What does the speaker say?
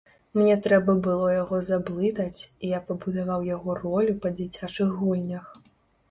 Мне трэба было яго заблытаць, і я пабудаваў яго ролю па дзіцячых гульнях.